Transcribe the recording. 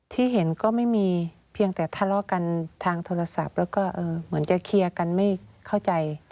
ที่เห็นก็ไม่มีเพียงแต่ทะเลาะกันทางโทรศัพท์แล้วก็เหมือนจะเคลียร์กันไม่เข้าใจ